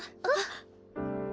あっ！